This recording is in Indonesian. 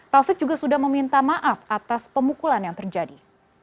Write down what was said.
taufik juga sudah meminta maaf atas pemukulan yang terjadi